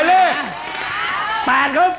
หมายเลข๘ครับ